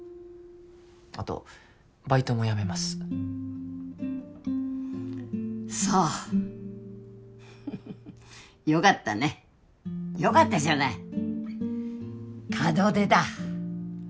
あとバイトも辞めますそうふふふっよかったねよかったじゃない門出だ